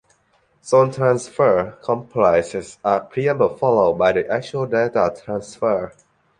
Zone transfer comprises a preamble followed by the actual data transfer.